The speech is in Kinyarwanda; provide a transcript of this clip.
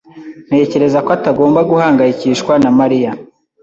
Ntekereza ko atagomba guhangayikishwa na Mariya.